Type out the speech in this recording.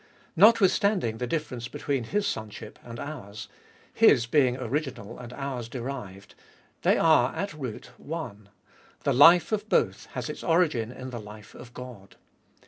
Nothwithstanding the difference between His Sonship and ours, His being original and ours derived, they are at root one ; the life of both has its origin in the life of God.